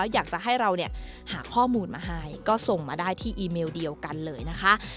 อยากจะให้เราเนี่ยหาข้อมูลมาให้ก็ส่งมาได้ที่อีเมลเดียวกันเลยนะคะ